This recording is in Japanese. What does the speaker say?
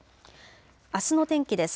あすの天気です。